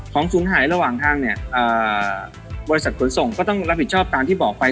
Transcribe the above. ศูนย์หายระหว่างทางเนี่ยบริษัทขนส่งก็ต้องรับผิดชอบตามที่บอกไป